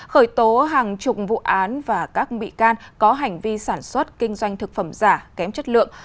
khởi tố hàng chục vụ án và các bị can có hành vi sản xuất kinh doanh thực phẩm giả kém chất lượng